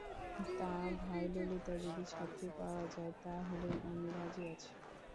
তা ভাই ললিতা, যদি ছাত্রী পাওয়া যায় তা হলে আমি রাজি আছি।